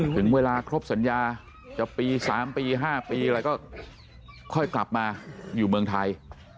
ถึงเวลาครบสัญญาจะปี๓ปี๕ปีอะไรก็ค่อยกลับมาอยู่เมืองไทย